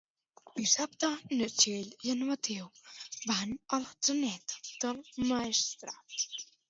Dissabte na Txell i en Mateu van a Atzeneta del Maestrat.